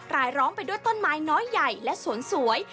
รายล้อมไปด้วยต้นไม้น้อยใหญ่และสวนสวย